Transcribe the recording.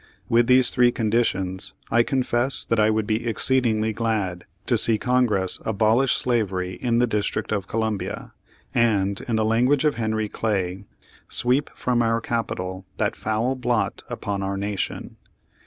With these three conditions, I confess that I would be exceedingly glad to see Congress abolish slavery in the District of Columbia, and, in the language of Henry Clay, 'sweep from our Capital that foul blot upon our nation.'